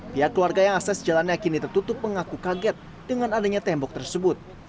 pihak keluarga yang akses jalannya kini tertutup mengaku kaget dengan adanya tembok tersebut